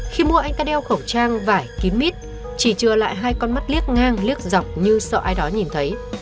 khi mua anh ta đeo khẩu trang vải kín mít chỉ chừa lại hai con mắt liếc ngang liếc dọc như sau ai đó nhìn thấy